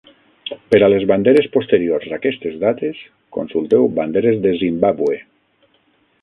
Per a les banderes posteriors a aquestes dates, consulteu Banderes de Zimbàbue.